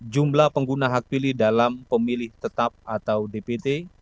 jumlah pengguna hak pilih dalam pemilih tetap atau dpt